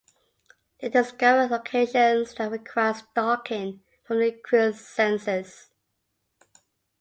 They discover locations that require stocking from the Creel Census.